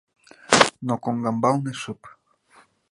Но коҥгамбалне шып.